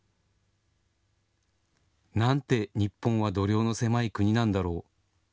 なんて日本は度量の狭い国なんだろう。